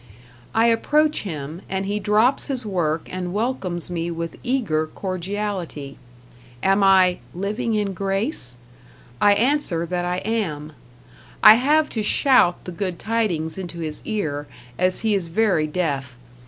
#" I approach him, and he drops his work and welcomes me with eager cordiality. Am I "living in grace"? I answer that I am. I have to shout the good tidings into his ear, as he is very deaf.